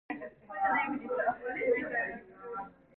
그러나 그것은 쓸데없는 자기의 생각 같았다.